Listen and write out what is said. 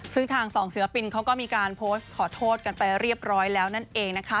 ซึ่งทางสองศิลปินเขาก็มีการโพสต์ขอโทษกันไปเรียบร้อยแล้วนั่นเองนะคะ